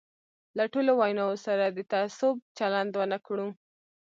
له ټولو ویناوو سره د تعصب چلند ونه کړو.